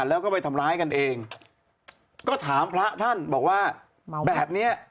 แล้วก็ไปทำร้ายกันเองก็ถามพระท่านบอกว่าแบบเนี้ย